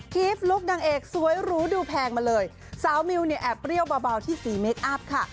คลิปลุคนางเอกสวยหรูดูแพงมาเลยสาวมิวเนี่ยแอบเปรี้ยวเบาที่สีเมคอัพค่ะ